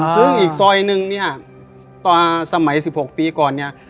ซึ่งอีกซอยหนึ่งเนี่ยต่อสมัยสิบหกปีก่อนเนี่ย